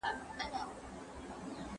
زړې مـــرغـۍ ښکاري اوتـرې غـونــدې